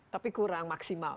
tapi kurang maksimal